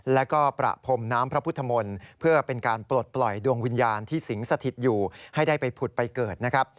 แล้วก็ประพรมน้ำพระพุทธมนตร์เพื่อเป็นการปลดปล่อยดวงวิญญาณที่สิงสถิตอยู่ให้ได้ไปผุดไปเกิดนะครับ